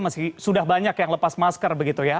masih sudah banyak yang lepas masker begitu ya